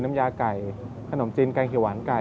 กลับมาสืบสาวเรื่องราวความประทับใจ